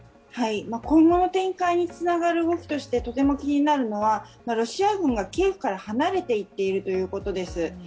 今後の展開につながる動きとしてとても気になるのがロシア軍がキエフから離れていっているということです。